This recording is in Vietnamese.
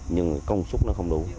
nhưng công sức nó không đủ